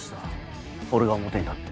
俺が表に立って。